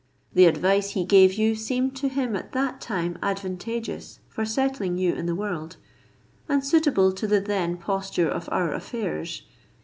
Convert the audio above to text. The advice he gave you seemed to him at that time advantageous for settling you in the world, and suitable to the then posture of our affairs.